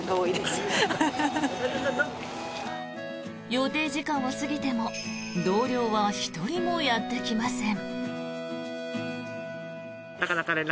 予定時間を過ぎても同僚は１人もやってきません。